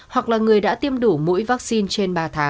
hoặc là người đã tiêm đủ mũi vaccine